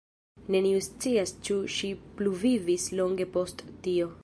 Neniu scias ĉu ŝi pluvivis longe post tio.